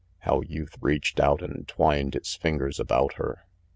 How youth reached out and twined its fingers about her.